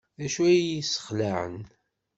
D acu ay t-yesxelɛen?